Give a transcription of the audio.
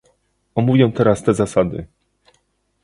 Omówię teraz te zasady